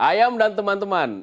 ayam dan teman teman